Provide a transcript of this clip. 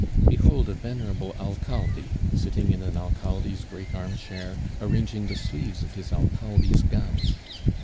Behold a venerable Alcalde, sitting in an Alcalde's great armchair, arranging the sleeves of his Alcalde's gown.